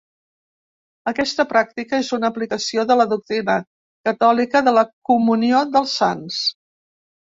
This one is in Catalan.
Aquesta pràctica és una aplicació de la doctrina catòlica de la comunió dels sants.